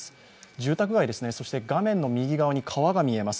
住宅街ですね、画面の右側に川が見えます。